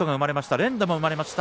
連打も生まれました。